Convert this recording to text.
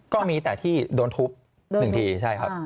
ก็มีแต่ที่โดนทุบ๑ทีใช่ครับ